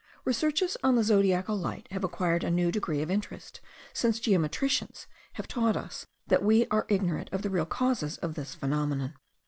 Researches on the zodiacal light have acquired a new degree of interest since geometricians have taught us that we are ignorant of the real causes of this phenomenon.